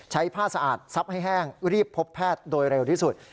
ใช้ผ้าสะอาดซับให้แห้งรีบพบแพทย์โดยเร็วที่สุด